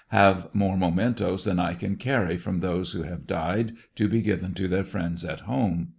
Have more mementoes than I can carry, from those who have died, to be given to their friends at home.